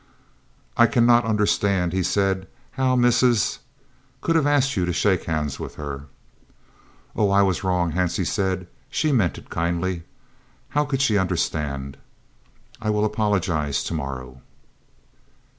"I cannot understand," he said, "how Mrs. could have asked you to shake hands with her." "Oh, I was wrong," Hansie said. "She meant it kindly. How could she understand? I will apologise to morrow."